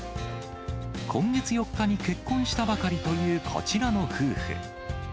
今月４日に結婚したばかりというこちらの夫婦。